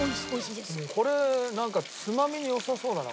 「これなんかつまみに良さそうだな」